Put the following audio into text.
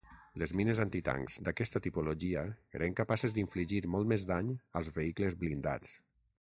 Les mines antitancs d'aquesta tipologia eren capaces d'infligir molt més dany als vehicles blindats.